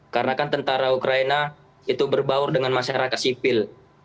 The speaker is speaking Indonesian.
karena kan tentara ukraina itu berbaur dengan masyarakat sipil